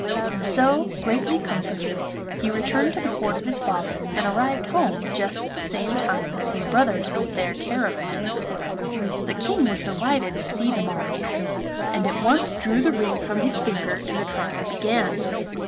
And so, greatly comforted, he returned to the Court of his father, and arrived home just at the same time as his brothers with their caravans. The King was delighted to see them all again, and at once drew the ring from his finger and the trial began.